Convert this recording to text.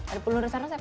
ada penerusan resep